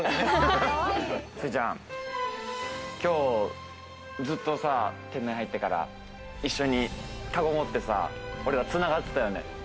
すいちゃん、今日ずっとさ、店内に入ってから、一緒にカゴ持ってさ、俺ら繋がってたよね。